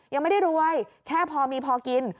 ยังไม่ได้รวยแค่พอมีพอกิน